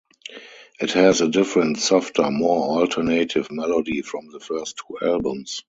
It has a different, softer, more alternative melody from the first two albums.